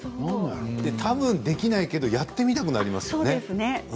たぶん、できないけどやってみたくなりますよね。